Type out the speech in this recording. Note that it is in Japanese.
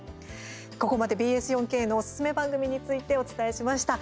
ここまでＢＳ４Ｋのおすすめ番組についてお伝えしました。